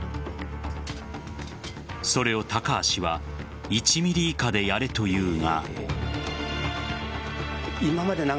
それを高橋は１ｍｍ以下でやれというが。